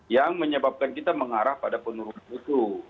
yang menyebabkan kita mengarah pada penurut itu